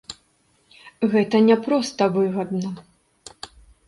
Гэта не проста выгадна.